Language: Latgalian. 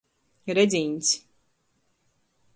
Redzīņs.